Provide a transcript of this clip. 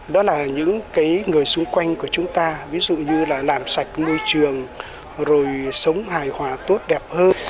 đó là những người xung quanh của chúng ta ví dụ như là làm sạch môi trường rồi sống hài hòa tốt đẹp hơn